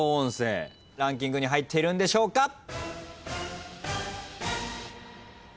ランキングに入っているんでしょうか。